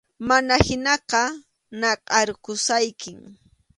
Mana hinaqa, nakʼarqusaykim.